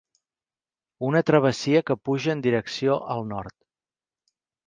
Una travessia que puja en direcció al nord